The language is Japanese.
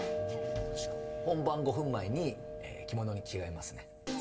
本番５分前に着物に着替えますね。